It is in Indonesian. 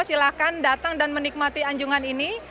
silahkan datang dan menikmati anjungan ini